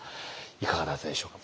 いかがだったでしょう？